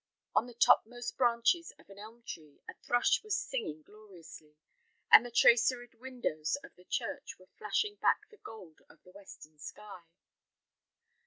On the topmost branch of an elm tree a thrush was singing gloriously, and the traceried windows of the church were flashing back the gold of the western sky.